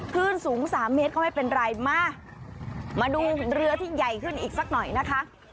ขึ้นสูงสามเมตรก็ไม่เป็นไรมามาดูเรือที่ใหญ่ขึ้นอีกสักหน่อยนะคะ